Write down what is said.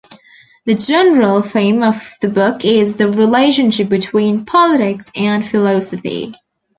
The general theme of the book is the relationship between politics and philosophy.